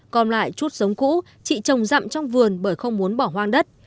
còn lại chút giống cũ chị trồng rậm trong vườn bởi không muốn bỏ hoang đất